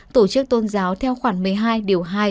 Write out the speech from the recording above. tổ chức tôn giáo theo khoản một mươi hai điều hai